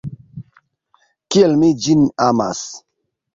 Kiel mi ĝin amas!